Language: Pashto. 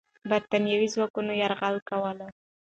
برتانوي ځواکونه یرغل کوله.